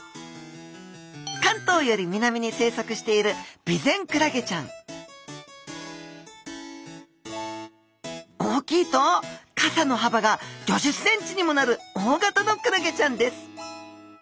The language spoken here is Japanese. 関東より南に生息しているビゼンクラゲちゃん大きいと傘のはばが５０ｃｍにもなる大型のクラゲちゃんです。